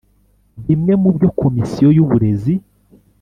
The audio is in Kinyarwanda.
Bimwe mu byo Komisiyo y’uburezi